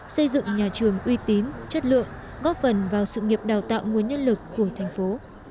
xây dựng nhà trường uy tín chất lượng góp phần vào sự nghiệp đào tạo nguồn nhân lực của thành phố